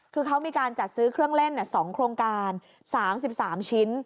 คือเขามีการจัดซื้อเครื่องเล่น๒โครงการ๓๓ชิ้น